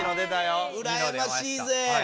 うらやましいぜ。